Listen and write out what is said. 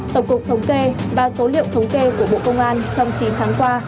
tổng cục thống kê và số liệu thống kê của bộ công an trong chín tháng qua